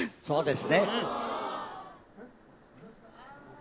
そうですね。